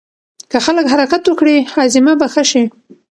که خلک حرکت وکړي هاضمه به ښه شي.